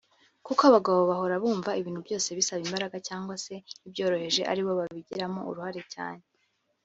Kuko abagabo bahora bumva ibintu byose bisaba imbaraga cyangwa se n’ibyoroheje ari bo babigiramo uruhare cyane